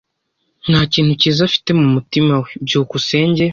Nta kintu cyiza afite mumutima we. byukusenge